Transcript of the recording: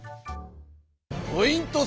ポイント